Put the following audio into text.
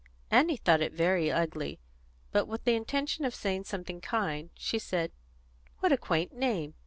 Annie thought it very ugly, but, with the intention of saying something kind, she said, "What a quaint name!"